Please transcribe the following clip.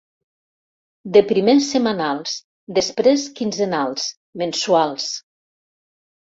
De primer, setmanals, després quinzenals, mensuals...